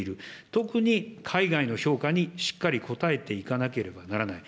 特に海外の評価にしっかり応えていかなければならない。